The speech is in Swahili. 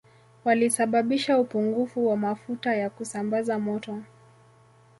Walisababisha upungufu wa mafuta ya kusambaza moto